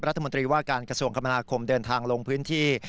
รัฐมนตรีว่าการกระทรวงคมนาคมเดินทางลงพื้นที่